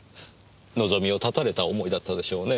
望みを絶たれた思いだったでしょうねぇ。